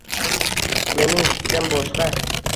Mening fikrim boshqa.